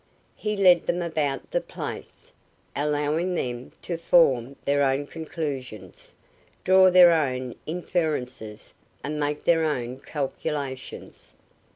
He led them about the place, allowing them to form their own conclusions, draw their own inferences and make their own calculations.